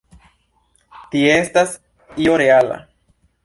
Tie estas io reala.